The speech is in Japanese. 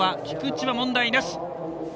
菊池は問題なし。